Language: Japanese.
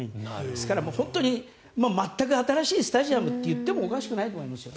ですから本当に全く新しいスタジアムといってもおかしくないと思いますよ。